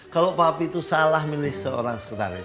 kalau pak hapi itu salah milih seorang sekretaris